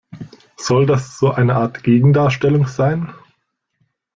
Soll das so eine Art Gegendarstellung sein?